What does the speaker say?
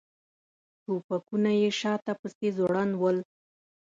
ټوپکونه یې شاته پسې ځوړند ول.